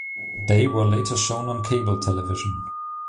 They were later shown on cable television.